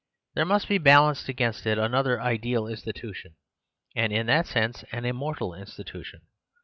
There must be balanced against it another ideal institution, and in that sense an immortal institution.